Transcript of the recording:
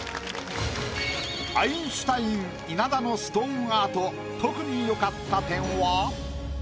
アインシュタイン稲田のストーンアート特に。